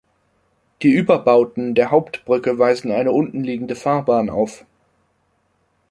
Die Überbauten der Hauptbrücke weisen eine unten liegende Fahrbahn auf.